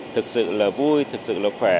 thật sự là vui thật sự là khỏe